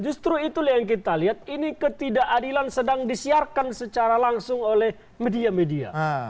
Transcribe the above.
justru itulah yang kita lihat ini ketidakadilan sedang disiarkan secara langsung oleh media media